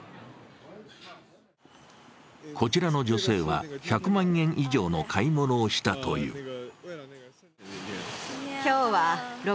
こちらの女性は１００万円以上の買い物をしたという。